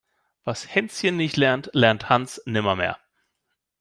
Was Hänschen nicht lernt, lernt Hans nimmer mehr.